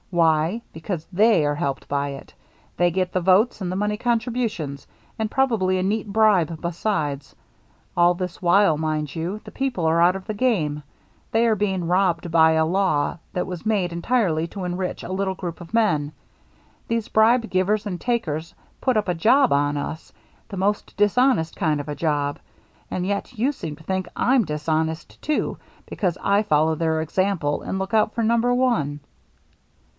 Why ? Because they are helped by it. They get the votes and the money contributions — and probably a neat bribe HARBOR LIGHTS 395 besides. All this while, mind you, the people are out of the game. They are being robbed by a law that was made entirely to enrich a little group of men. These bribe ^vers and takers put up a job on us, the most dishonest kind of a job, and yet you seem to think I'm dishonest, too, because I follow their example and look out for number one."